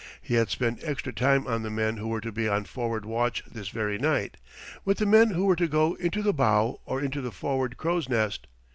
He had spent extra time on the men who were to be on forward watch this very night, with the men who were to go into the bow or into the forward crow's nest.